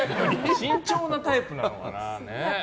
慎重なタイプなのかな？